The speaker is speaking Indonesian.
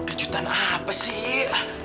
kejutan apa sih